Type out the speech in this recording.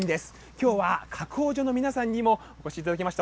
きょうは加工所の皆さんにも、お越しいただきました。